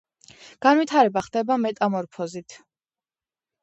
განვითარება ხდება მეტამორფოზით.